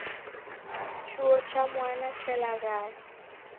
Chuo cha mwana chelaghaya